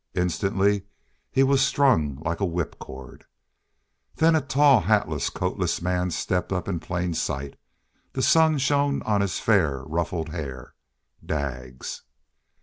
Instantly he was strung like a whipcord. Then a tall, hatless and coatless man stepped up in plain sight. The sun shone on his fair, ruffled hair. Daggs!